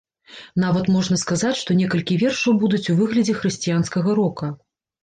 Нават можна сказаць, што некалькі вершаў будуць у выглядзе хрысціянскага рока.